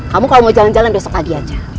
kamu kalau mau jalan jalan besok lagi aja ya